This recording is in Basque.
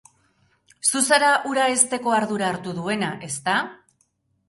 Zu zara hura hezteko ardura hartu duena, ezta?